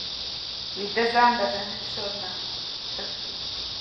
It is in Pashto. ویده ذهن له ورځني فشار نه تښتي